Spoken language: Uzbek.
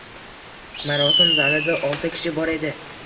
Marosim zalida olti kishi bor edi